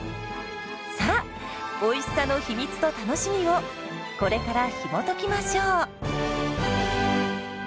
さあおいしさの秘密と楽しみをこれからひもときましょう！